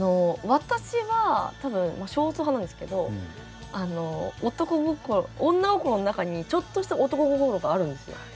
私は多分少数派なんですけどあの女心の中にちょっとした男心があるんですよ。